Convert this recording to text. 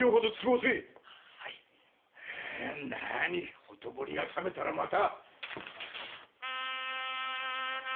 なーにほとぼりがさめたらまた。